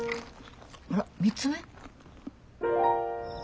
あら３つ目？